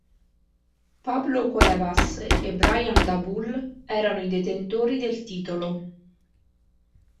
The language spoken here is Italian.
Pablo Cuevas e Brian Dabul erano i detentori del titolo.